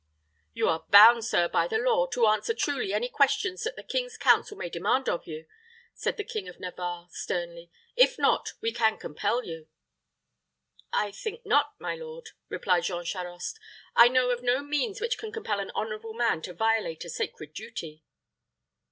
"You are bound, sir, by the law, to answer truly any questions that the king's council may demand of you," said the King of Navarre, sternly; "if not, we can compel you." "I think not, my lord," replied Jean Charost; "I know of no means which can compel an honorable man to violate a sacred duty."